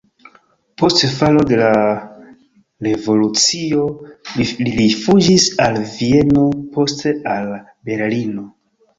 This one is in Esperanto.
Post falo de la revolucio li rifuĝis al Vieno, poste al Berlino.